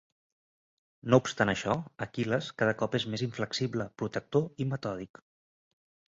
No obstant això, Aquil·les cada cop és més inflexible, protector i metòdic.